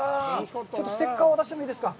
ちょっとステッカー渡してもいいですか。